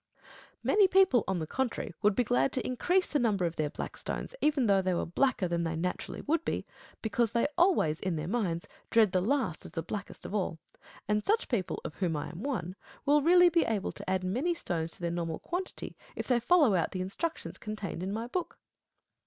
JVat. Phil. Many people, on the contrary, would be glad to increase the number of their black stones, even though they were blacker than they naturally would be ; because they always, in their minds, dread the last as the blackest of all. And such people, of whom I am one, will really be able to add many stones to their normal quantity, if they follow out the instructions con tained in my book.